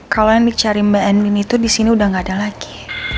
kalau yang dicari mbak emin itu di sini udah gak ada lagi